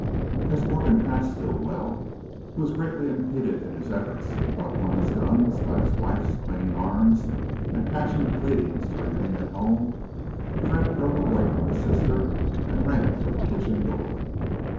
As Morgan passed Stilwell, who was greatly impeded in his efforts to buckle on his guns by his wife's clinging arms and passionate pleadings to remain at home, Fred broke away from his sister and ran for the kitchen door.